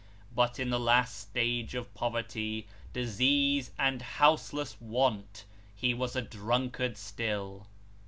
But in the last stage of poverty, disease, and houseless want, he was a drunkard still.